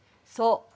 そう。